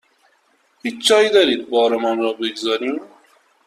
هیچ جایی دارید بارمان را بگذاریم؟